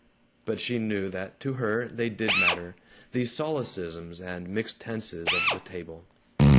But she knew that to her they did matter, these solecisms and mixed tenses of the table.